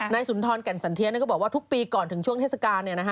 สุนทรแก่นสันเทียนก็บอกว่าทุกปีก่อนถึงช่วงเทศกาล